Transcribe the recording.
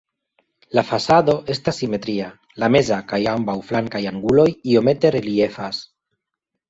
La fasado estas simetria, la meza kaj ambaŭ flankaj anguloj iomete reliefas.